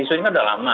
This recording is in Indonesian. isu ini kan sudah lama